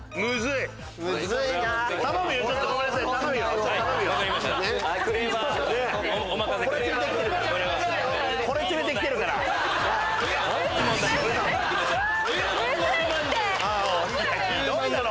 いやひどいだろ。